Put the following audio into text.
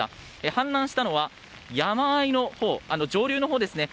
氾濫したのは山あいのほう上流のほうですね。